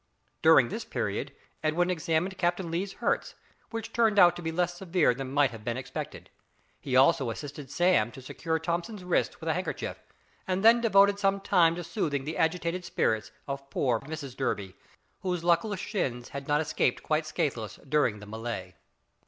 During this period Edwin examined Captain Lee's hurts, which turned out to be less severe than might have been expected. He also assisted Sam to secure Thomson's wrists with a handkerchief, and then devoted some time to soothing the agitated spirits of poor Mrs Durby, whose luckless shins had not escaped quite scatheless during the melee.